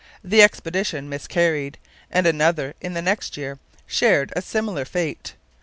The expedition miscarried; and another in the next year shared a similar fate.